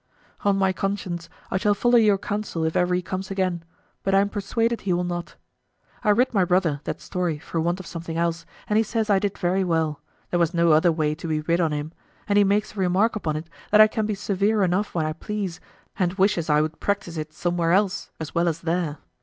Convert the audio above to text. On my conscience, I shall follow your counsel if e'er he comes again, but I am persuaded he will not. I writ my brother that story for want of something else, and he says I did very well, there was no other way to be rid on him; and he makes a remark upon't that I can be severe enough when I please, and wishes I would practise it somewhere else as well as there.